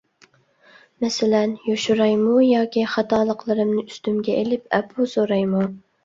مەسىلەن، يوشۇرايمۇ ياكى خاتالىقلىرىمنى ئۈستۈمگە ئېلىپ ئەپۇ سورايمۇ؟